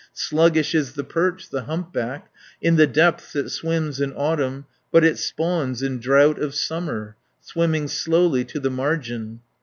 160 Sluggish is the perch, the humpback, In the depths it swims in autumn, But it spawns in drought of summer, Swimming slowly to the margin.